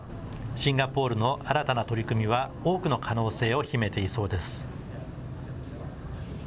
シンガポールの新たな取り組みは、多くの可能性を秘めていそうです。